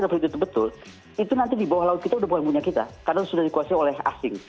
kalau itu betul itu nanti di bawah laut kita sudah boleh punya kita karena sudah dikuasai oleh asing